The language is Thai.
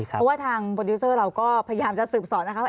เพราะว่าทางโปรดิวเซอร์เราก็พยายามจะสืบสอนนะคะว่า